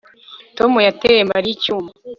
Tom yateye Mariya icyuma